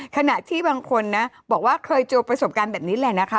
ขณะที่บางคนนะบอกว่าเคยเจอประสบการณ์แบบนี้แหละนะคะ